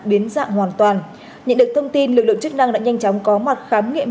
biến dạng hoàn toàn nhận được thông tin lực lượng chức năng đã nhanh chóng có mặt khám nghiệm